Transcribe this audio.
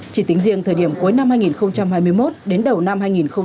chỉ tính riêng thời điểm cuối năm hai nghìn hai mươi một đến đầu năm hai nghìn hai mươi ba